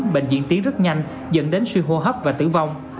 bệnh diễn tiến rất nhanh dẫn đến suy hô hấp và tử vong